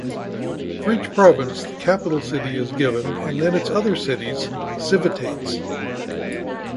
For each province the capital city is given and then its other cities ("civitates").